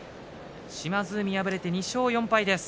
島津海、敗れて２勝４敗です。